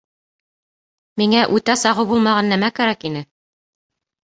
Миңә үтә сағыу булмаған нәмә кәрәк ине